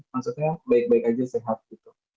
maksudnya baik baik aja sehat gitu